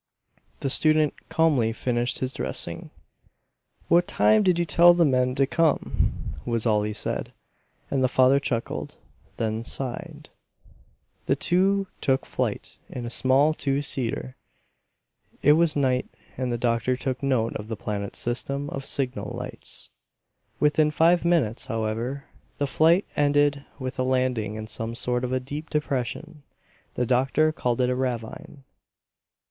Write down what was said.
The student calmly finished his dressing. "What time did you tell the men to come?" was all he said; and the father chuckled, then sighed. The two took flight in a small two seater. It was night, and the doctor took note of the planet's system of signal lights. Within five minutes, however, the flight ended with a landing in some sort of a deep depression; the doctor called it a ravine.